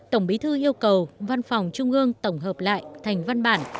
tổng bí thư yêu cầu văn phòng trung ương tổng hợp lại thành văn bản